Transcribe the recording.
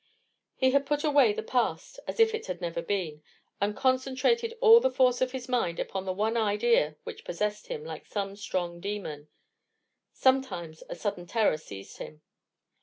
He had put away the past as if it had never been, and concentrated all the force of his mind upon the one idea which possessed him like some strong demon. Sometimes a sudden terror seized him.